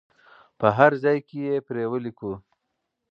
په هر ځای کې پرې ولیکو.